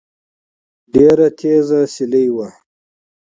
ډېره تېزه سيلۍ وه